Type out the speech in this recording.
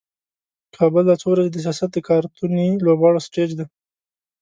کابل دا څو ورځې د سیاست د کارتوني لوبغاړو سټیج دی.